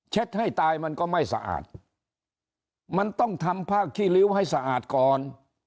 ให้ตายมันก็ไม่สะอาดมันต้องทำผ้าขี้ริ้วให้สะอาดก่อน